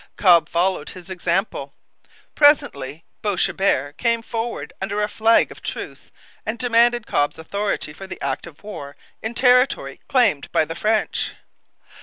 Cobb followed his example. Presently Boishebert came forward under a flag of truce and demanded Cobb's authority for the act of war in territory claimed by the French.